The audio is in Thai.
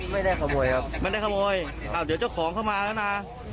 ไม่ได้ขโมยครับไม่ได้ขโมยอ้าวเดี๋ยวเจ้าของเข้ามาแล้วนะ